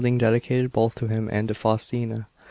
ng dedicated both to him and to Faustina.